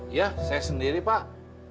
iya saya sendiri pak